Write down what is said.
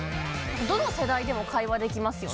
どの世代でも会話できますよね